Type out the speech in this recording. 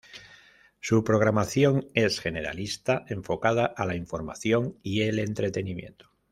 Su programación es generalista, enfocada a la información y el entretenimiento.